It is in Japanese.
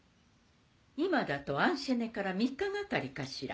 今だとアンシェネから３日がかりかしら？